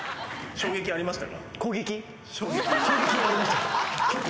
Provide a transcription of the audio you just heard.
衝撃ありました。